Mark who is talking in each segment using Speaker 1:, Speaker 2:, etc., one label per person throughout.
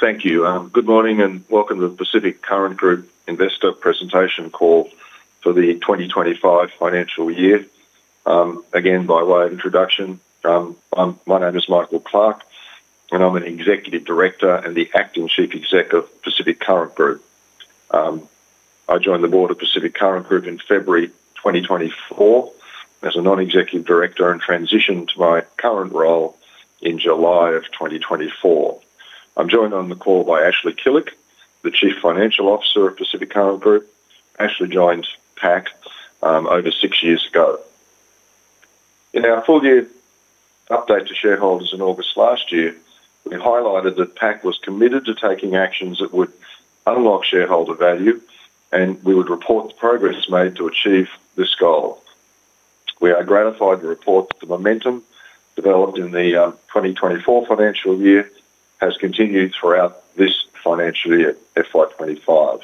Speaker 1: Thank you. Good morning and welcome to the Pacific Current Group Investor Presentation Call for the 2025 Financial Year. Again, by way of introduction, my name is Michael Clarke and I'm an Executive Director and the Acting Chief Executive of Pacific Current Group. I joined the board of Pacific Current Group in February 2024 as a Non-Executive Director and transitioned to my current role in July of 2024. I'm joined on the call by Ashley Killick, the Chief Financial Officer of Pacific Current Group. Ashley joined PAC over six years ago. In our full-year update to shareholders in August last year, we highlighted that PAC was committed to taking actions that would unlock shareholder value and we would report the progress made to achieve this goal. We are gratified to report that the momentum developed in the 2024 financial year has continued throughout this financial year FY 2025.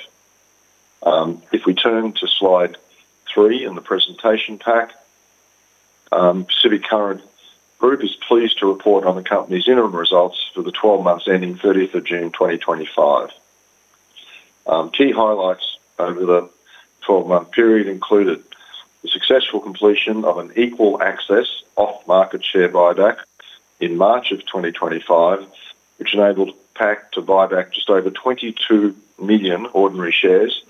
Speaker 1: If we turn to slide three in the presentation pack, Pacific Current Group is pleased to report on the company's interim results for the 12 months ending 30th June, 2025. Key highlights over the 12-month period included the successful completion of an equal access off-market share buyback in March 2025, which enabled PAC to buy back just over 22 million ordinary shares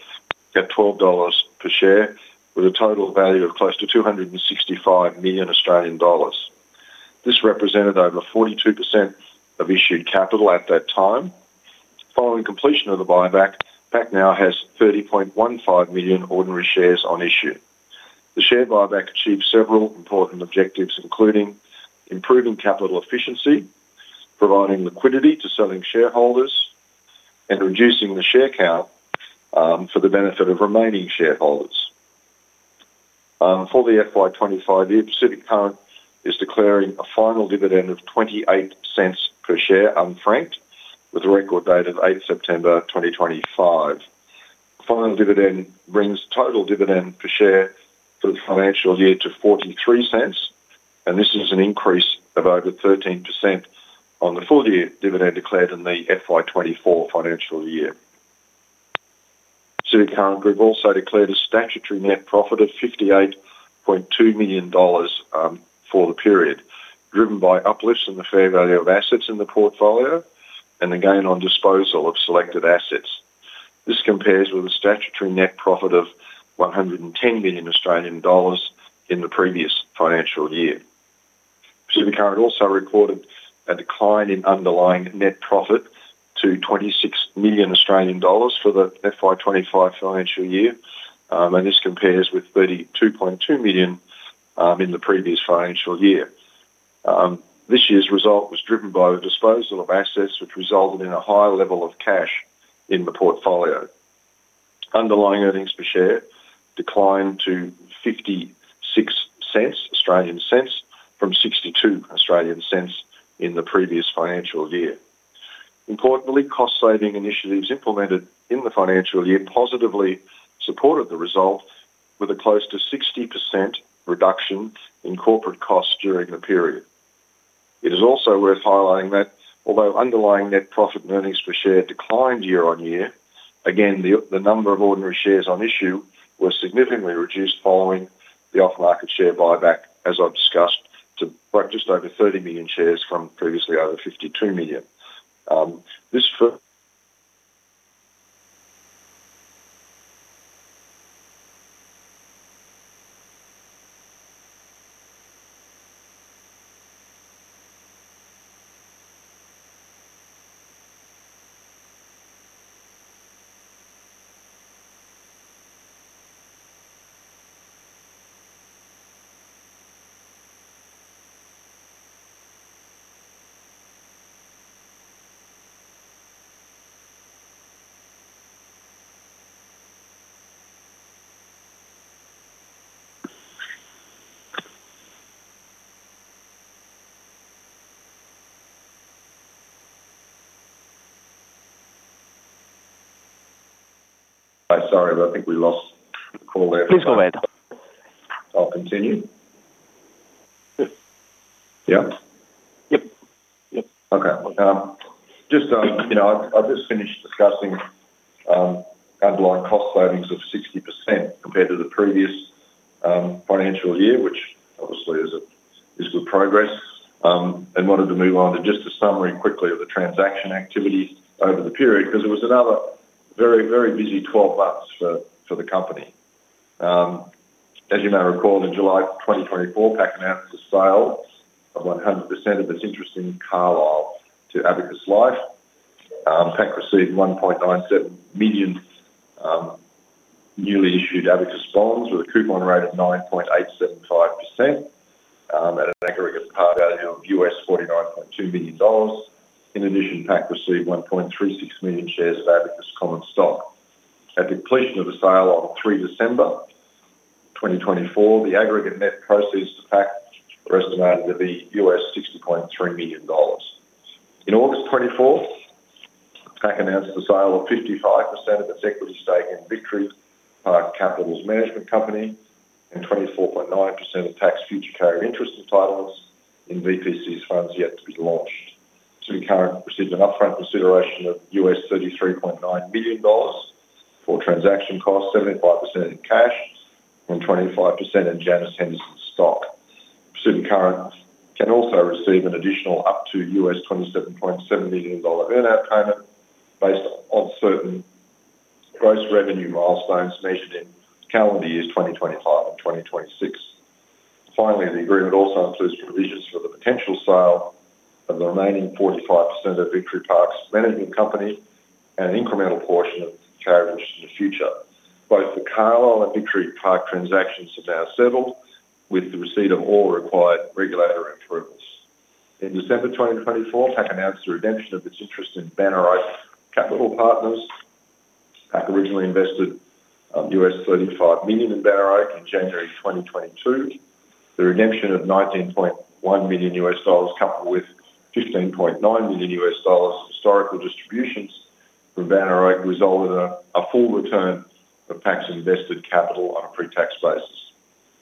Speaker 1: at $12 per share with a total value of close to 265 million Australian dollars. This represented over 42% of issued capital at that time. Following completion of the buyback, PAC now has 30.15 million ordinary shares on issue. The share buyback achieved several important objectives, including improving capital efficiency, providing liquidity to selling shareholders, and reducing the share count for the benefit of remaining shareholders. For the FY 2025 year, Pacific Current is declaring a final dividend of $0.28 per share unfranked with a record date of 8th September, 2025. The final dividend brings total dividend per share for the financial year to $0.43, and this is an increase of over 13% on the full-year dividend declared in the FY 2024 financial year. Pacific Current Group also declared a statutory net profit of $58.2 million for the period, driven by uplifts in the fair value of assets in the portfolio and the gain on disposal of selected assets. This compares with a statutory net profit of 110 million Australian dollars in the previous financial year. Pacific Current Group also recorded a decline in underlying net profit to 26 million Australian dollars for the 2025 financial year, and this compares with 32.2 million in the previous financial year. This year's result was driven by the disposal of assets, which resulted in a high level of cash in the portfolio. Underlying earnings per share declined to AUD 0.56 from 0.62 in the previous financial year. Importantly, cost-saving initiatives implemented in the financial year positively supported the result with a close to 60% reduction in corporate costs during the period. It is also worth highlighting that although underlying net profit and earnings per share declined year on year, again, the number of ordinary shares on issue was significantly reduced following the off-market share buyback, as I've discussed, to just over 30 million shares from previously over 52 million. Hi, sorry, but I think we lost the call there.
Speaker 2: Please go ahead.
Speaker 1: I'll continue. Yeah? Okay. I've just finished discussing underlying cost savings of 60% compared to the previous financial year, which obviously is good progress. I wanted to move on to just a summary quickly of the transaction activity over the period because it was another very, very busy 12 months for the company. As you may recall, in July 2024, Pacific Current Group announced the sale of 100% of its interest in Carlisle to Abacus Life. Pacific received 1.97 million newly issued Abacus bonds with a coupon rate of 9.875% at an aggregate par value of $49.2 million. In addition, Pacific Current Group received 1.36 million shares of Abacus common stock. At the completion of the sale on 3 December, 2024, the aggregate net proceeds to Pacific Current Group resonated with $60.3 million. In August 2024, PAC announced the sale of 55% of its equity stake in Victory Capital's Management Company and 24.9% of tax future carrier entitlements in VC funds yet to be launched. Pacific Current Group receives an upfront consideration of $33.9 million for transaction costs, 75% in cash and 25% in Janet Henderson stock. Pacific Current Group can also receive an additional up to $27.7 million earnout payment based on certain gross revenue milestones measured in calendar years 2025 and 2026. Finally, the agreement also includes provisions for the potential sale of the remaining 45% of Victory Park Capital Management Company and an incremental portion of carry of interest in the future. Both the Carlyle and Victory Park Capital Management Company transactions are now settled with the receipt of all required regulatory approvals. In December 2024, PAC announced the redemption of its interest in Banner Oak Capital Partners. PAC originally invested $35 million in Banner Oak Capital Partners in January 2022. The redemption of $19.1 million together with $15.9 million historical distributions from Banner Oak Capital Partners resulted in a full return of PAC invested capital on a pre-tax basis.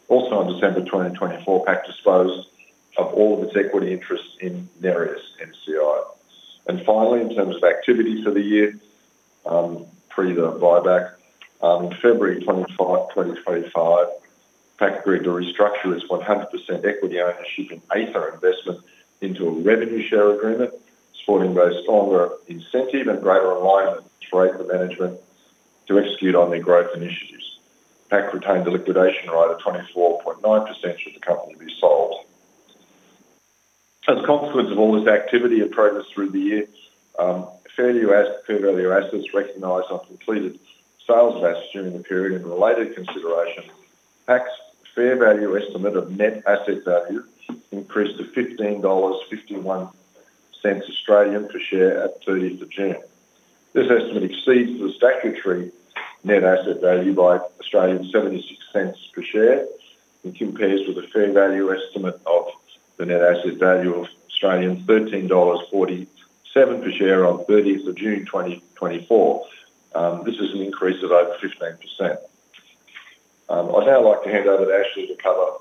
Speaker 1: Also, in December 2024, PAC disposed of all of its equity interest in Neris NCI. Finally, in terms of activity for the year, pre the buyback, in February 2025, PAC agreed to restructure its 100% equity ownership in Aethir Investment into a revenue share agreement supporting both stronger incentive and greater alignment with rate management to execute on their growth initiatives. PAC retained a liquidation rate of 24.9% should the company be sold. As a consequence of all this activity and progress through the year, fair value assets recognized have completed sales vests during the period and related consideration. PAC's fair value estimate of net asset value increased to 15.51 Australian dollars per share at 30th of June. This estimate exceeds the statutory net asset value by 0.76 per share and compares with the fair value estimate of the net asset value of 13.47 Australian dollars per share on 30th of June, 2024. This is an increase of over 15%. I'd now like to hand over to Ashley to cover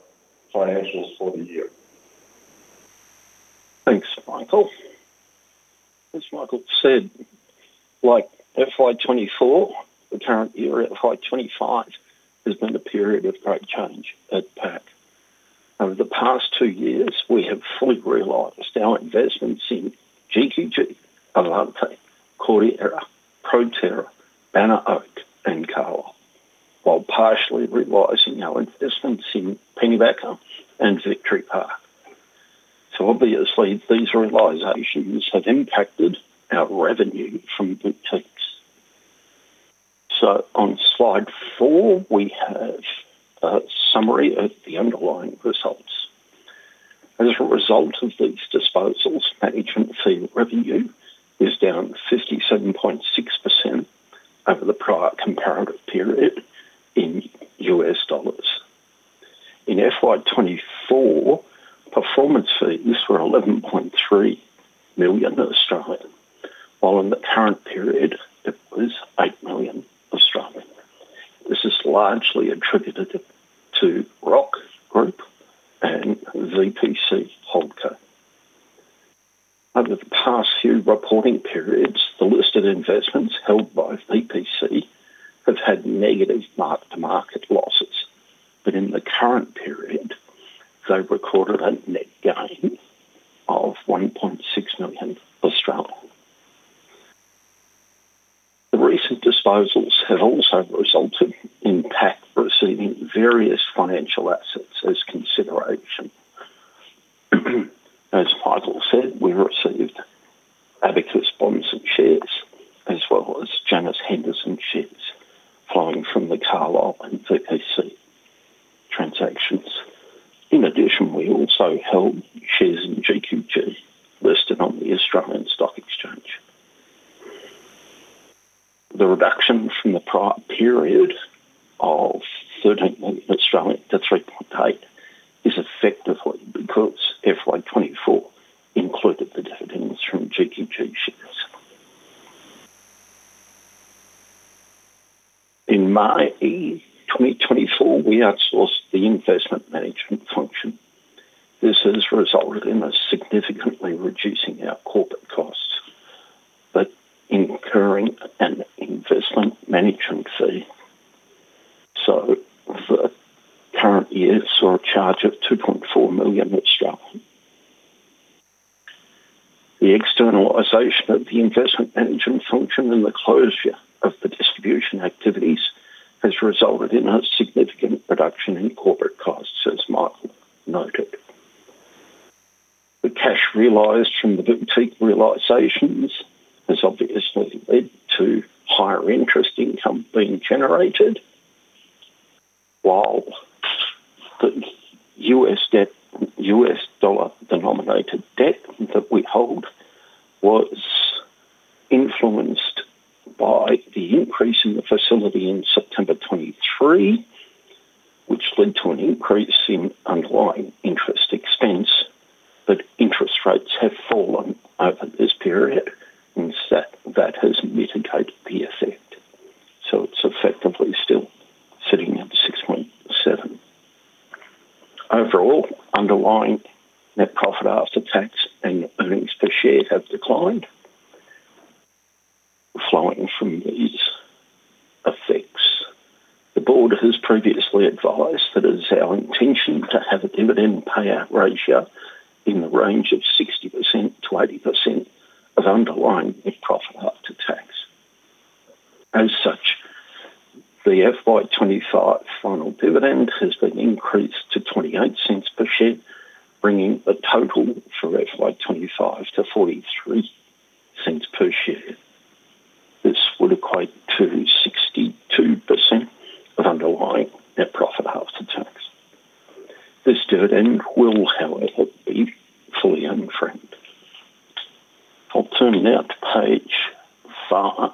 Speaker 1: financials for the year.
Speaker 3: Thanks, Michael. As Michael said, like FY 2024, the current year FY 2025 has been a period of great change at PAC. Over the past two years, we have fully realized our investments in GQG Palante, Cora, Proterra, Banna Oak, and Carlisle, while partially realizing our investments in Pennybacker and Victory Park. Obviously, these realizations have impacted our revenue from good teams. On slide four, we have a summary of the underlying results. As a result of these disposals, management fee revenue is down 57.6% over the prior comparative period in U.S. dollars. In FY denominated debt that we hold was influenced by the increase in the facility in September 2023, which led to an increase in underlying interest expense. Interest rates have fallen over this period, and that has mitigated the effect. It is effectively still sitting at 6.7%. Overall, underlying net profit after tax and earnings per share have declined. Flowing from these effects, the board has previously advised that it is our intention to have a dividend payout ratio in the range of 60%-80% of underlying profit after tax. As such, the FY 2025 final dividend has been increased to 0.28 per share, bringing the total for FY 2025 to 0.43 per share. This would equate to 62% of underlying net profit after tax. This dividend will, however, be fully unfranked. I'll turn now to page five,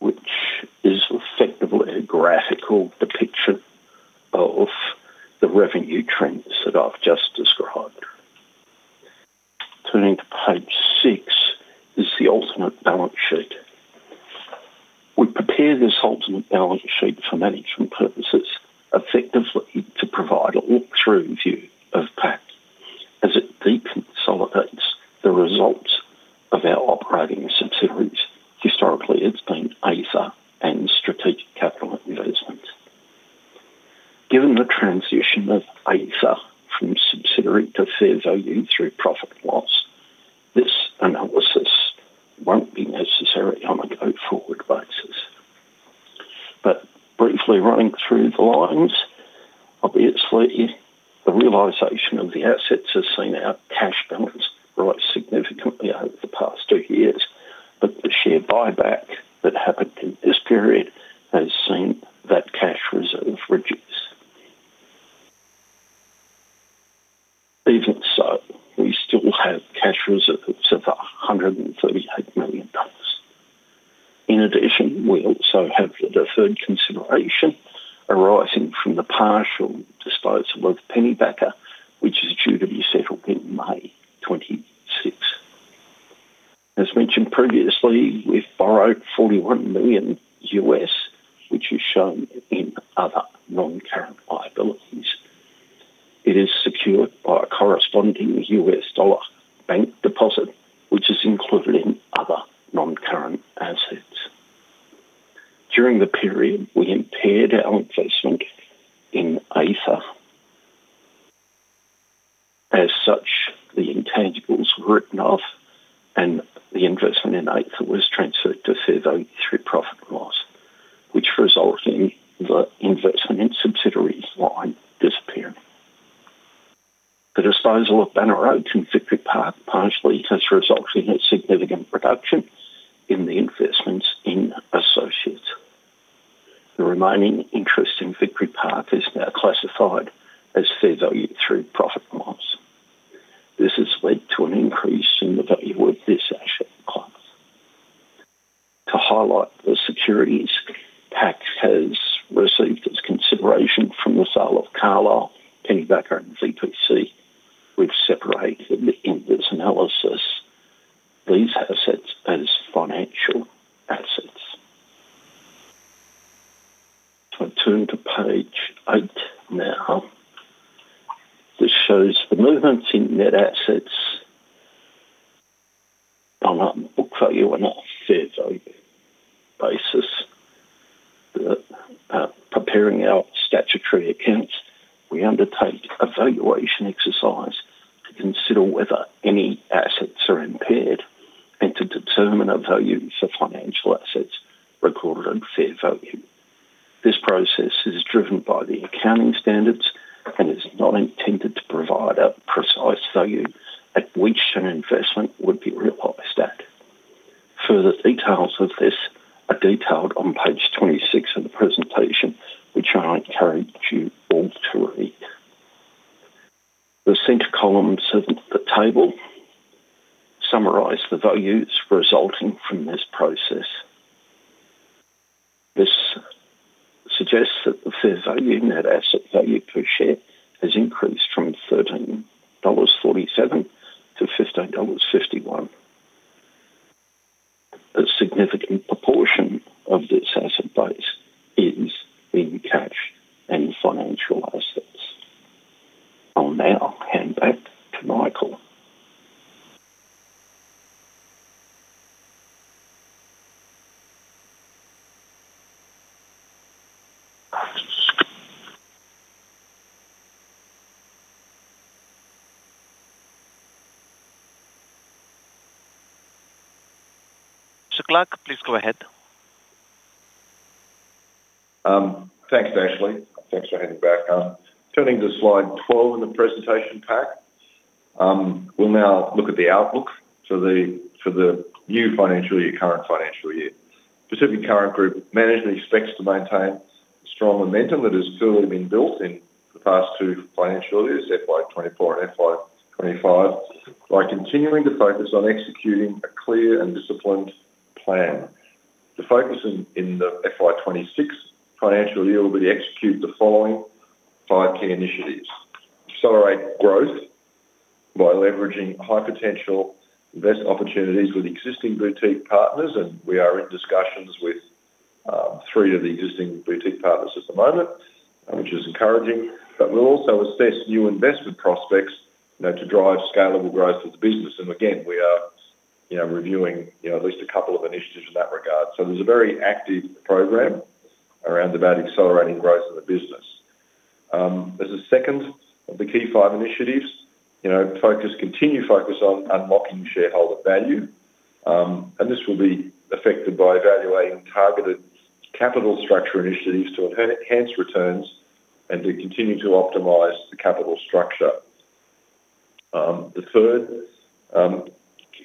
Speaker 3: which is effectively a graphical depiction of the revenue trends that I've just described. and loss. This has led to an increase in the value of this asset class. To highlight the securities PAC has received as consideration from the sale of Carlyle, Pennybacker and VPC we've separated in this analysis these assets as financial assets. I'll turn to page eight now. This shows the movements in net assets on a book value and share value basis. Preparing our statutory accounts, we undertake evaluation exercise to consider whether any assets are impaired and to determine a value for financial assets recorded at fair value. This process is driven by the accounting standards and is not intended to provide a precise value at which an investment would be realized at. Further details of this are detailed on page 26 of the presentation, which I encourage you all to read. The center columns of the table summarize the values resulting from this process. This suggests that the fair value net asset value per share has increased from $13.47-$15.51. A significant proportion of this asset base is in cash and financial assets. I'll now hand back to Michael.
Speaker 2: Mr. Clarke, please go ahead.
Speaker 1: Thanks, Ashley. Thanks for handing back. Turning to slide 12 in the presentation pack, we'll now look at the outlook for the new financial year, current financial year. Pacific Current Group management expects to maintain a strong momentum that has clearly been built in the past two financial years, FY 2024 and FY 2025, by continuing to focus on executing a clear and disciplined plan. The focus in the FY 2026 financial year will be to execute the following five key initiatives. Accelerate growth by leveraging high potential investment opportunities with existing boutique partners, and we are in discussions with three of the existing boutique partners at the moment, which is encouraging. We'll also assess new investment prospects to drive scalable growth of the business. Again, we are reviewing at least a couple of initiatives in that regard. There's a very active program around accelerating growth in the business. As a second of the five key initiatives, focus continues on unlocking shareholder value. This will be effected by evaluating targeted capital structure initiatives to enhance returns and to continue to optimize the capital structure. The third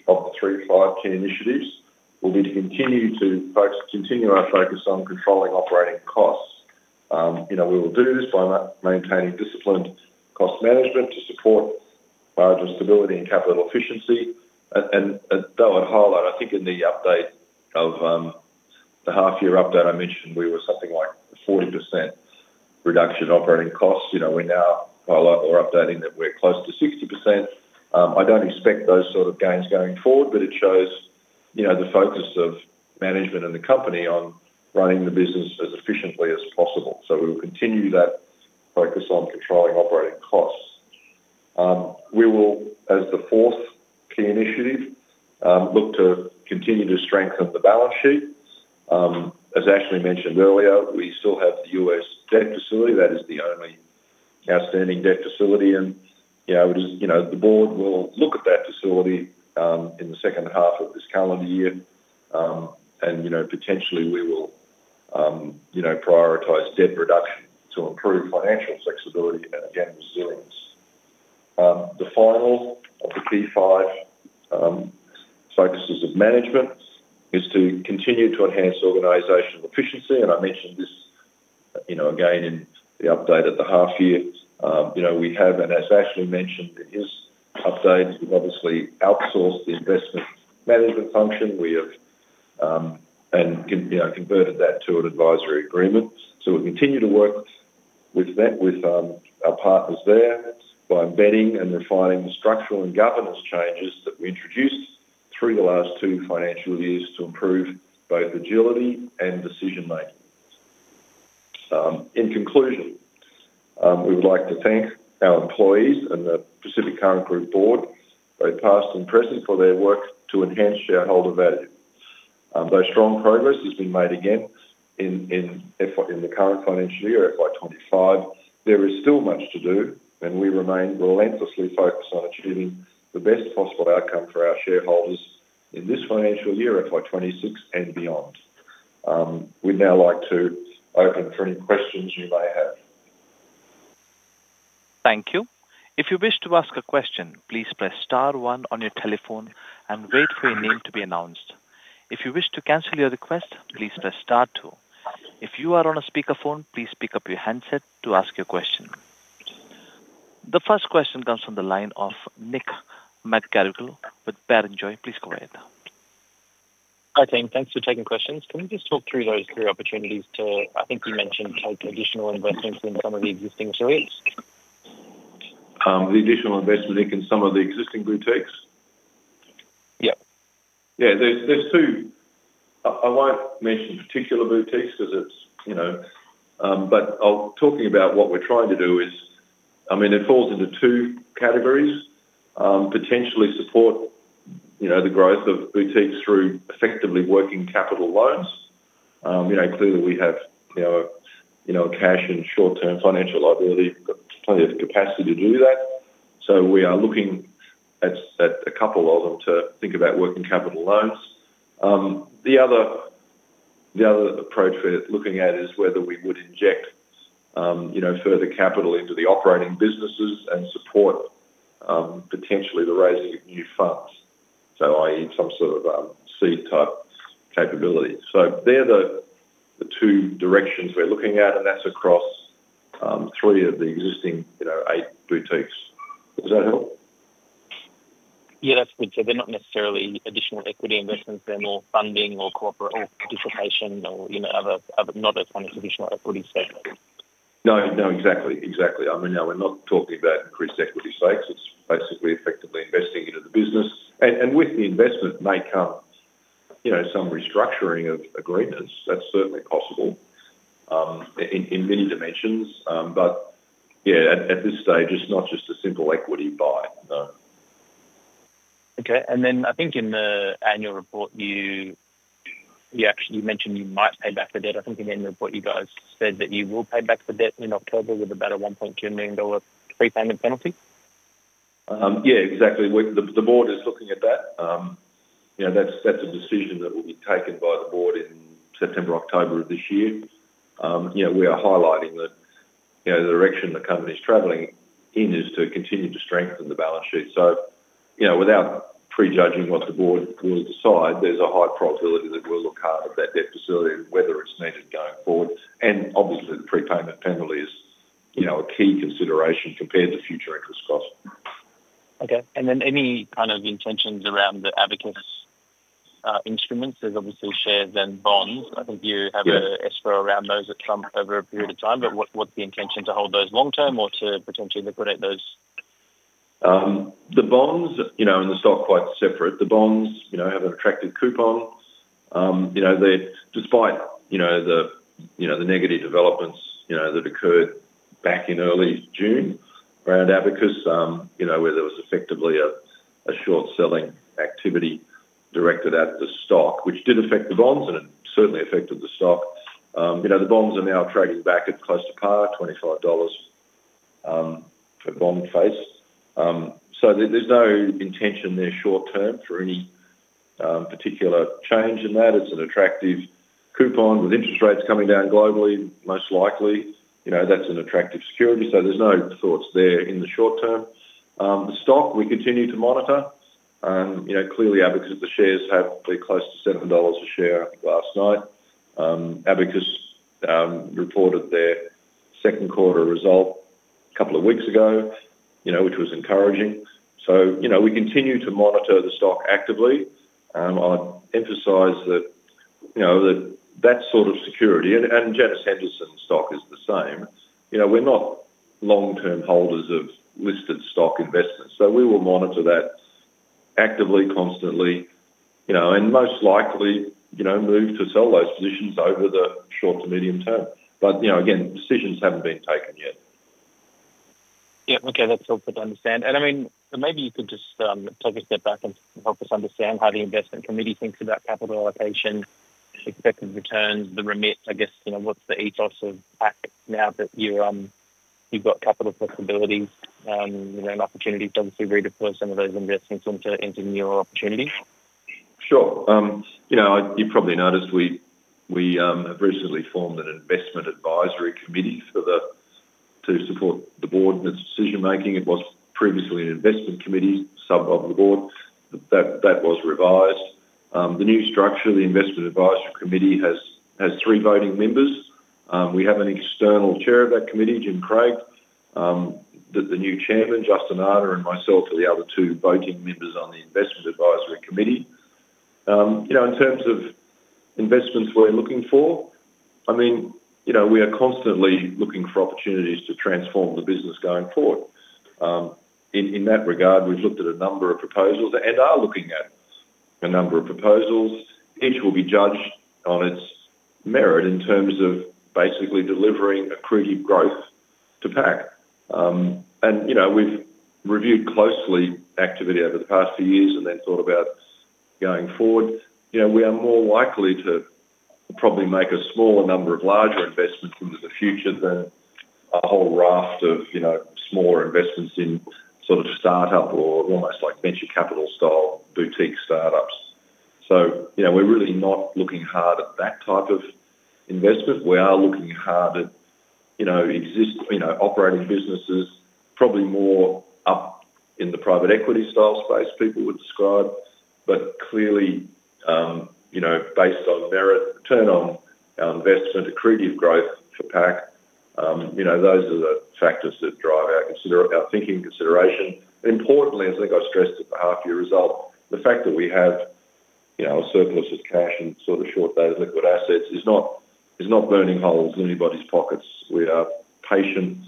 Speaker 1: of the five key initiatives will be to continue our focus on controlling operating costs. We will do this by maintaining disciplined cost management to support margin stability and capital efficiency. I think in the update of the half-year update I mentioned, we were something like a 40% reduction in operating costs. We now highlight or update that we're close to 60%. I don't expect those sort of gains going forward, but it shows the focus of management and the company on running the business as efficiently as possible. We will continue that focus on controlling operating costs. We will, as the fourth key initiative, look to continue to strengthen the balance sheet. As Ashley mentioned earlier, we still have the U.S. debt facility. That is the only outstanding debt facility. The board will look at that facility in the second half of this calendar year. Potentially, we will prioritize debt reduction to improve financial flexibility and resilience. The final of the five focuses of management is to continue to enhance organizational efficiency. I mentioned this again in the update at the half-year. We have, and as Ashley Killick mentioned, it is updated. We've obviously outsourced the investment management function. We have converted that to an advisory agreement. We'll continue to work with our partners there by embedding and refining the structural and governance changes that we introduced through the last two financial years to improve both agility and decision-making. In conclusion, we would like to thank our employees and the Pacific Current Group board, both past and present, for their work to enhance shareholder value. Though strong progress is being made again in the current financial year, FY 2025, there is still much to do, and we remain relentlessly focused on achieving the best possible outcome for our shareholders in this financial year, FY 2026, and beyond. We'd now like to open for any questions you may have.
Speaker 2: Thank you. If you wish to ask a question, please press star one on your telephone and wait for your name to be announced. If you wish to cancel your request, please press star two. If you are on a speakerphone, please pick up your handset to ask your question. The first question comes from the line of Nick McGarigal with Baronjoy. Please go ahead.
Speaker 4: Hi, team. Thanks for taking questions. Can we just talk through those three opportunities to, I think you mentioned, take additional investments in some of the existing clients?
Speaker 1: The additional investment in some of the existing boutiques?
Speaker 4: Yeah.
Speaker 1: Yeah. There's two. I won't mention particular boutiques because it's, you know, but I'll talk about what we're trying to do. I mean, it falls into two categories. Potentially support, you know, the growth of boutiques through effectively working capital loans. You know, clearly, we have, you know, a cash and short-term financial liability. We've got plenty of capacity to do that. We are looking at a couple of them to think about working capital loans. The other approach we're looking at is whether we would inject, you know, further capital into the operating businesses and support, potentially, the raising of new funds. I.e., some sort of seed type capability. They're the two directions we're looking at, and that's across three of the existing, you know, eight boutiques. Does that help?
Speaker 4: Yeah, that's good. They're not necessarily additional equity investments. They're more funding or corporate or deflation or, you know, other, not a financial additional equity segment.
Speaker 1: No, exactly. I mean, now we're not talking about increased equity stakes. It's basically effectively investing into the business. With the investment may come, you know, some restructuring of agreements. That's certainly possible in many dimensions. At this stage, it's not just a simple equity buy.
Speaker 4: Okay. I think in the annual report, you actually mentioned you might pay back the debt. I think in the annual report, you guys said that you will pay back the debt in October with about a $1.2 million pre-payment penalty.
Speaker 1: Yeah, exactly. The board is looking at that. That's a decision that will be taken by the board in September or October of this year. We are highlighting that the direction the company is traveling in is to continue to strengthen the balance sheet. Without prejudging what the board will decide, there's a high probability that we'll look hard at that debt facility and whether it's needed going forward. Obviously, the pre-payment penalty is a key consideration compared to future interest costs.
Speaker 4: Okay. Any kind of intentions around the Abacus instruments? There's obviously shares and bonds. I think you have an escrow around those over a period of time. What's the intention to hold those long-term or to potentially liquidate those?
Speaker 1: The bonds and the stock are quite separate. The bonds have an attractive coupon. Despite the negative developments that occurred back in early June around Abacus, where there was effectively a short selling activity directed out of the stock, which did affect the bonds, and it certainly affected the stock, the bonds are now trading back at close to par, $25 for bond face. There's no intention there short-term for any particular change in that. It's an attractive coupon with interest rates coming down globally, most likely. That's an attractive security. There's no thoughts there in the short term. The stock, we continue to monitor. Clearly, Abacus, the shares had hopefully close to $7 a share last night. Abacus reported their second quarter result a couple of weeks ago, which was encouraging. We continue to monitor the stock actively. I'd emphasize that that sort of security, and Janet Henderson stock is the same. We're not long-term holders of listed stock investments. We will monitor that actively, constantly, and most likely move to sell those positions over the short to medium term. Again, decisions haven't been taken yet.
Speaker 4: Yeah. Okay. That's helpful to understand. Maybe you could just take a step back and help us understand how the investment advisory committee thinks about capital allocation, expected returns, the remits, what's the ethos of Pacific Current Group now that you've got capital possibilities and an opportunity to obviously redeploy some of those investments into newer opportunities?
Speaker 1: Sure. You probably noticed we have recently formed an investment advisory committee to support the board in its decision-making. It was previously an investment committee sub of the board. That was revised. The new structure, the investment advisory committee, has three voting members. We have an external Chair of that committee, Jim Craig. The new Chairman, Justin Arter, and myself are the other two voting members on the investment advisory committee. In terms of investments we're looking for, we are constantly looking for opportunities to transform the business going forward. In that regard, we've looked at a number of proposals and are looking at a number of proposals. Each will be judged on its merit in terms of basically delivering accretive growth to PAC. We've reviewed closely activity over the past few years and then thought about going forward. We are more likely to probably make a smaller number of larger investments into the future than a whole raft of smaller investments in sort of startup or almost like venture capital style boutique startups. We're really not looking hard at that type of investment. We are looking hard at existing, operating businesses, probably more up in the private equity style space people would describe. Clearly, based on merit, return on our investment, accretive growth for PAC, those are the factors that drive our thinking and consideration. Importantly, as I think I stressed at the half-year result, the fact that we have a certain list of cash and short-dated liquid assets is not burning holes in anybody's pockets. We are patient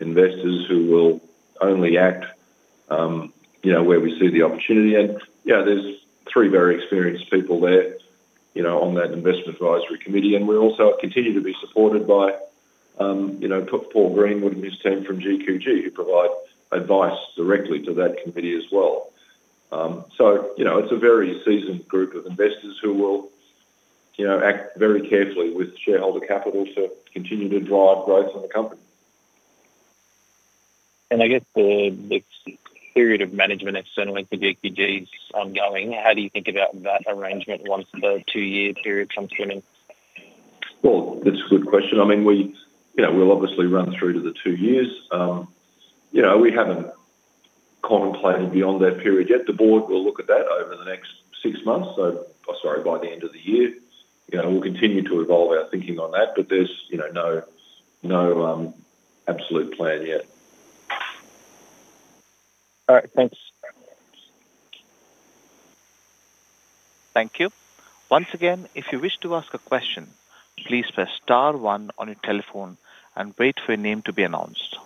Speaker 1: investors who will only act where we see the opportunity. There are three very experienced people there on that investment advisory committee. We also continue to be supported by Paul Greenwood and his team from GQG Partners, who provide advice directly to that committee as well. It's a very seasoned group of investors who will act very carefully with shareholder capital to continue to drive growth in the company.
Speaker 4: I guess the next period of management, certainly with the BPGs ongoing, how do you think about that arrangement once the two-year period comes swimming?
Speaker 1: Oh, that's a good question. I mean, we, you know, we'll obviously run through to the two years. We haven't contemplated beyond that period yet. The board will look at that over the next six months. I'm sorry, by the end of the year. We'll continue to evolve our thinking on that. There's no absolute plan yet.
Speaker 4: All right. Thanks.
Speaker 2: Thank you. Once again, if you wish to ask a question, please press star one on your telephone and wait for your name to be announced.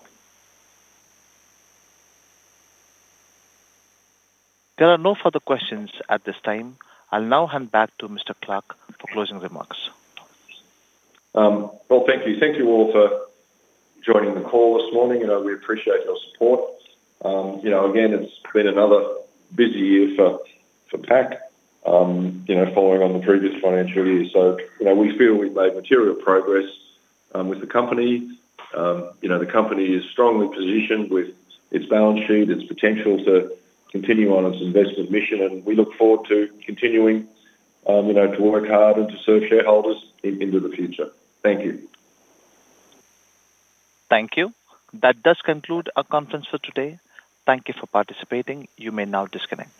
Speaker 2: There are no further questions at this time. I'll now hand back to Mr. Clarke for closing remarks.
Speaker 1: Thank you. Thank you all for joining the call this morning. We appreciate your support. It's been another busy year for PAC, following on the previous financial year. We feel we've made material progress with the company. The company is strongly positioned with its balance sheet, its potential to continue on its investment mission. We look forward to continuing to work hard and to serve shareholders into the future. Thank you.
Speaker 2: Thank you. That does conclude our conference for today. Thank you for participating. You may now disconnect.